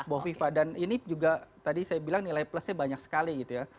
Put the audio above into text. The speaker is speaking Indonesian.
bu hovifah dan ini juga tadi saya bilang nilai plusnya banyak sekali gitu ya